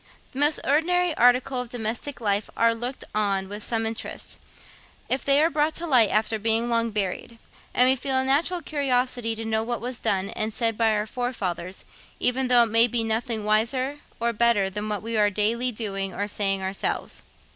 The most ordinary articles of domestic life are looked on with some interest, if they are brought to light after being long buried; and we feel a natural curiosity to know what was done and said by our forefathers, even though it may be nothing wiser or better than what we are daily doing or saying ourselves.